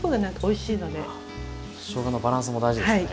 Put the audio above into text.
しょうがのバランスも大事ですね。